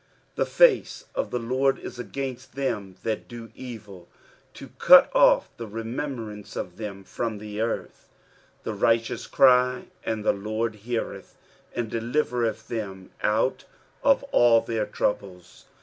16 The face of the LORD is against them that do evil, to cut off the remembrance of them from the earth, 17 The righteous cry, and the LORD heareth, and delivereth them out of all their troubles.